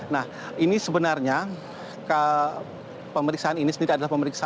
nah ini sebenarnya pemeriksaan ini sendiri adalah pemeriksaan